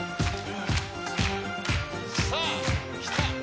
さぁ来た！